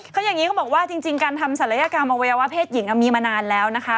เขาอย่างนี้เขาบอกว่าจริงการทำศัลยกรรมอวัยวะเพศหญิงมีมานานแล้วนะคะ